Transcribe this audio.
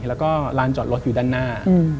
แล้วก็ร้านจอดรถอยู่ด้านหน้า